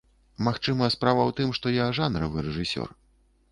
Магчыма справа ў тым, што я жанравы рэжысёр.